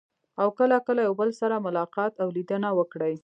او کله کله یو بل سره ملاقات او لیدنه وکړي.